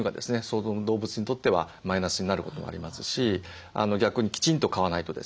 動物にとってはマイナスになることがありますし逆にきちんと飼わないとですね